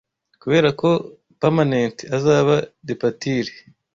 Kuberako pamanent azaba depature